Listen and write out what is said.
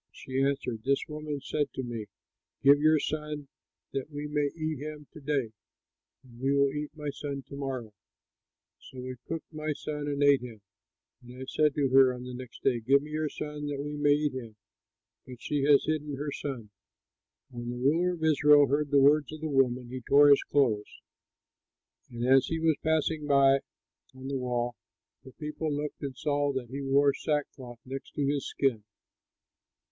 She answered, "This woman said to me, 'Give your son, that we may eat him to day, and we will eat my son to morrow!' So we cooked my son and ate him, and I said to her on the next day, 'Give your son that we may eat him'; but she has hidden her son." When the ruler of Israel heard the words of the woman, he tore his clothes; and as he was passing by on the wall, the people looked and saw that he wore sackcloth next to his skin.